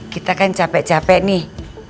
kita kan capek capek nih